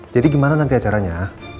jadi gimana nanti acaranya